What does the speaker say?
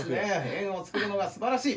えんを作るのがすばらしい。